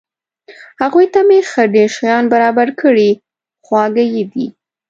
هغوی ته مې ښه ډېر شیان برابر کړي، خواږه یې دي.